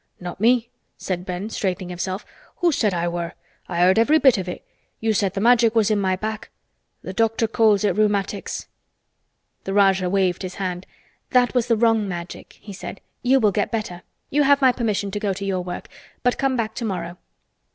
"Not me," said Ben, straightening himself. "Who said I were? I heard every bit of it. You said th' Magic was in my back. Th' doctor calls it rheumatics." The Rajah waved his hand. "That was the wrong Magic," he said. "You will get better. You have my permission to go to your work. But come back tomorrow."